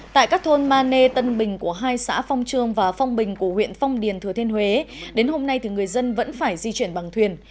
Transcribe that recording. tại các thôn ma nê tân bình của hai xã phong trương và phong bình của huyện phong điền thừa thiên huế đến hôm nay người dân vẫn phải di chuyển bằng thuyền